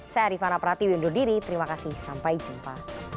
saya rifana prati windu diri terima kasih sampai jumpa